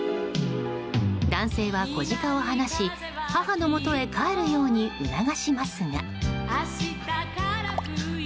男性は子ジカを放し母のもとへ帰るよう促しますが。